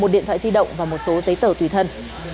một điện thoại di động và một số giấy tờ tùy thân